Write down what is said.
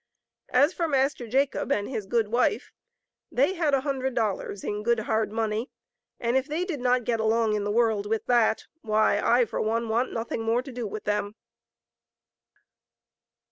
As for Master Jacob and his good wife, they had a hundred dollars in good hard money, and if they did not get along in the world with that, why I, for one, want nothing more to do with them.